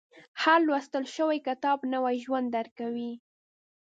• هر لوستل شوی کتاب، نوی ژوند درکوي.